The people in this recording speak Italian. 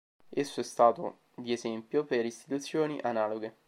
Esso è stato di esempio per istituzioni analoghe.